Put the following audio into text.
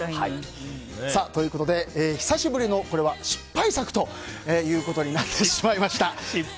久しぶりの失敗作ということになってしまいました。